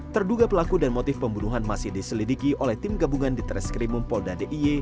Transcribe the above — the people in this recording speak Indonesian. terduga pelaku dan motif pembunuhan masih diselidiki oleh tim gabungan di tres krimum polda diy